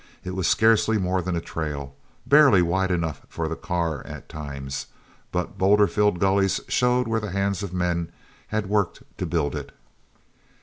It was scarcely more than a trail, barely wide enough for the car at times, but boulder filled gullies showed where the hands of men had worked to build it.